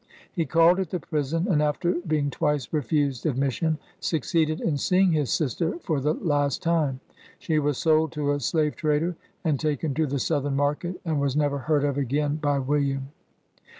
He called at the prison, and after being twice refused admission, succeeded in seeing his sister for the last time. She was sold to a slave trader, and taken to the Southern market, and was never heard of again by William.